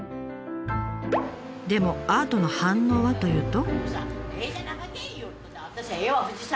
でもアートの反応はというと。